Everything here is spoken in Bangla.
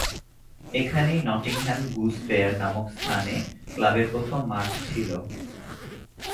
এখানেই নটিংহ্যাম গুজ ফেয়ার নামক স্থানে ক্লাবের প্রথম মাঠ ছিল।